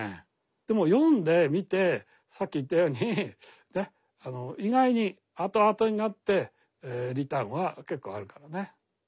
でも読んでみてさっき言ったようにね意外にあとあとになってリターンは結構あるからね。